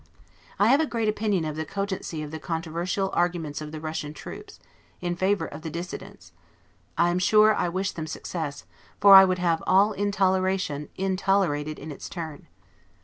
I have a great opinion of the cogency of the controversial arguments of the Russian troops, in favor of the Dissidents: I am sure I wish them success; for I would have all intoleration intolerated in its turn.